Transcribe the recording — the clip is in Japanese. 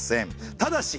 ただし！